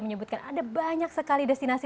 menyebutkan ada banyak sekali destinasi